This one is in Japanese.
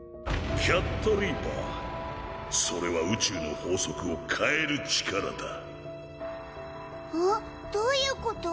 キャットリーパーそれは宇宙の法則を変える力だどういうこと？